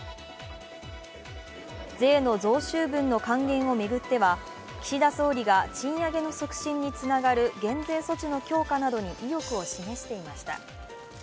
税の増収分の還元を巡っては岸田総理が賃上げの促進につながる現前措置の強化などに意欲を示していました。